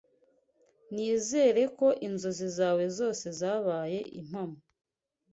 Nizere ko inzozi zawe zose zabaye impamo.